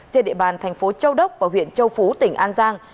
trên địa bàn thành phố châu đốc và huyện châu phú tỉnh an giang